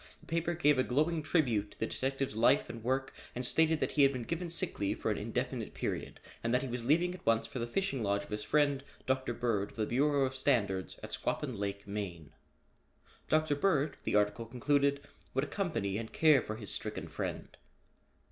The paper gave a glowing tribute to the detective's life and work and stated that he had been given sick leave for an indefinite period and that he was leaving at once for the fishing lodge of his friend, Dr. Bird of the Bureau of Standards, at Squapan Lake, Maine. Dr. Bird, the article concluded, would accompany and care for his stricken friend.